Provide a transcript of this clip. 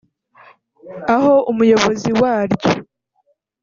aho umuyobozi waryo